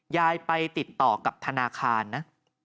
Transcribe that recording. ยายไปติดต่อกับธนาคารนะ